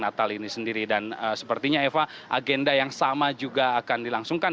natal ini sendiri dan sepertinya eva agenda yang sama juga akan dilangsungkan